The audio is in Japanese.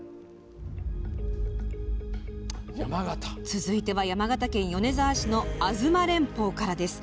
続いては山形県米沢市の吾妻連峰からです。